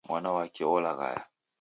Mwana wake olaghaya